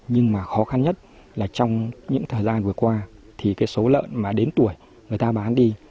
nhưng mà khó khăn nhất là trong những thời gian vừa qua thì cái số lợn mà đến tuổi người ta bán đi